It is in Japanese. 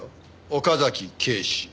岡崎警視。